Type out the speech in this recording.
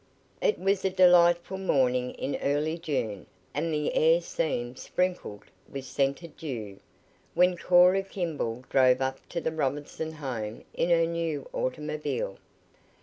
It was a delightful morning in early June, and the air seemed sprinkled with scented dew, when Cora Kimball drove up to the Robinson home in her new automobile.